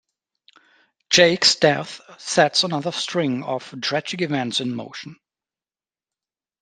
Jake's death sets another string of tragic events in motion.